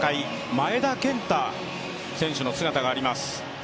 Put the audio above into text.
前田健太選手の姿があります。